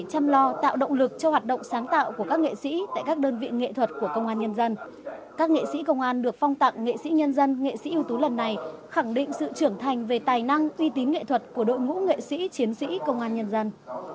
các nghệ sĩ công an được phong tặng nghệ sĩ nhân dân nghệ sĩ ưu tú lần này khẳng định sự trưởng thành về tài năng uy tín nghệ thuật của đội ngũ nghệ sĩ chiến sĩ công an nhân dân